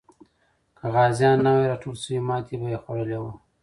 که غازیان نه وای راټول سوي، ماتې به یې خوړلې وه.